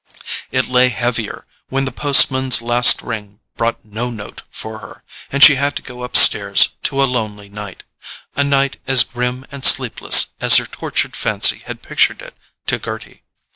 It lay heavier when the postman's last ring brought no note for her, and she had to go upstairs to a lonely night—a night as grim and sleepless as her tortured fancy had pictured it to Gerty.